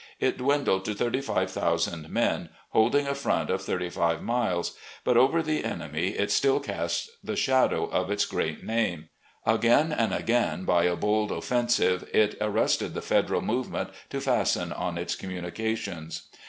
It dwindled to 35,000 men, holding a front of thirty five miles; but over the enemy it still cast the shadow of its great name. Again and again, by a bold offensive, it arrested the Federal movement to fasten on its communications.